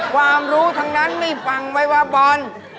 ความรู้ทั้งนั้นไม่ฟังไว้ว่าบอล